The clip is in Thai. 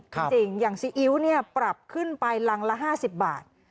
จริงอย่างซีอิ๊วเนี่ยปรับขึ้นไปรังละ๕๐บาท